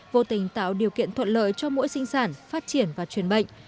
vô tình tạo điều kiện thuận lợi cho mỗi sinh sản phát triển và truyền bệnh